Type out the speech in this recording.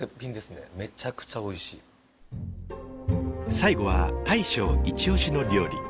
最後は大将イチオシの料理。